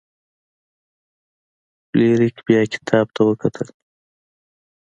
فلیریک بیا کتاب ته وکتل.